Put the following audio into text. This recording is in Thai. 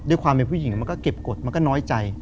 ด้วยความเป็นผู้หญิงมันก็เก็บกฎมันก็น้อยใจ